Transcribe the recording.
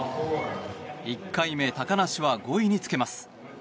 １回目高梨は５位につけます。